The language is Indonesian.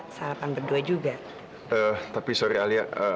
agak agak karena bohong nih taku sih yang ya garp wolf lamar ya